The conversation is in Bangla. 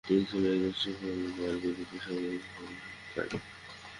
তিনি ছিলেন একজন শিক্ষক এবং আয়ুর্বেদ পেশার অনুশীলনকারী।